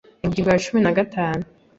Ingingo ya cumi na gatanu